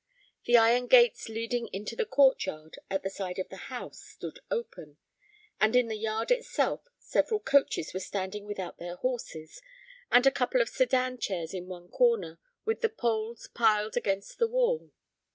The iron gates leading into the court yard at the side of the house stood open, and in the yard itself several coaches were standing without their horses, and a couple of sedan chairs in one corner with the poles piled against the wall.